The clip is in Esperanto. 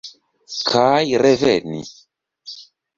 Kaj reveni.